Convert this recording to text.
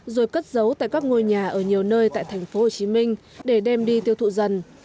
rồi cất giấu tại các ngôi nhà ở nhiều nơi tại tp hcm để đem đi tiêu thụ dần